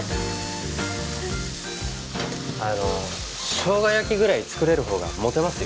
あの生姜焼きぐらい作れるほうがモテますよ？